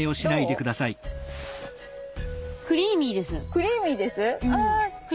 クリーミーです？